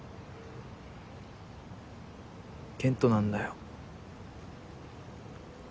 健斗なんだよ。